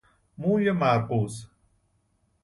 موی مرغوز